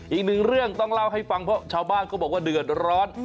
อีกหนึ่งเรื่องต้องเล่าให้ฟังเพราะชาวบ้านเขาบอกว่าเดือดร้อน